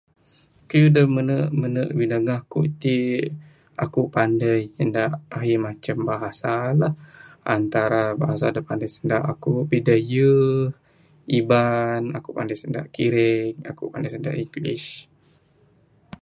Keyuh de mene-mene binandah eku itik, eku pandai ngindak ehi macam bahasa lah, antara bahasa de pandai sindak pandai ekuk sindak bidayeh, iban, ekuk pandai kireng, ekuk pandai sindak inggeris.